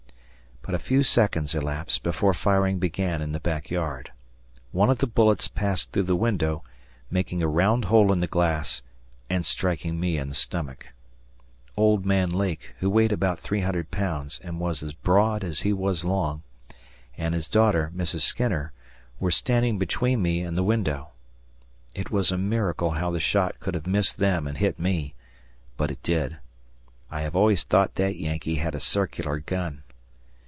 But a few seconds elapsed before firing began in the back yard. One of the bullets passed through the window, making a round hole in the glass and striking me in the stomach. Old man Lake, who weighed about three hundred pounds and was as broad as he was long, and his daughter, Mrs. Skinner, were standing between me and the window. It was a miracle how the shot could have missed them and hit me but it did. I have always thought that Yankee had a circular gun.